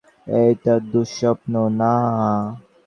এটা দুঃস্বপ্ন না।